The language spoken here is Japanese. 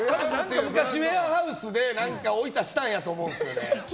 昔、ウエアハウスでおいたしたと思うんですよね。